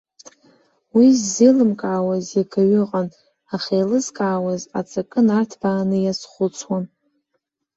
Уи ззеилымкаауаз иагаҩы ыҟан, аха еилызкаауаз аҵакы нарҭбааны иазхәыцуан.